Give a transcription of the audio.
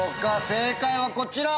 正解はこちら。